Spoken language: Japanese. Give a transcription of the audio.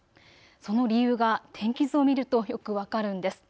その理由が天気図を見るとよく分かるんです。